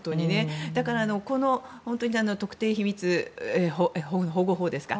だから、特定秘密保護法ですか。